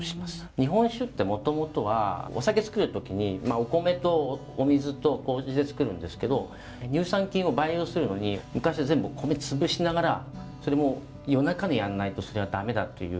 日本酒ってもともとはお酒造る時にお米とお水と麹で造るんですけど乳酸菌を培養するのに昔は全部米潰しながらそれも夜中にやんないとそれは駄目だという。